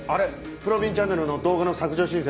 『ぷろびんチャンネル』の動画の削除申請は？